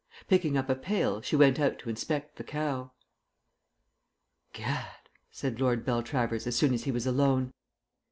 Picking up a pail, she went out to inspect the cow. "Gad," said Lord Beltravers as soon as he was alone.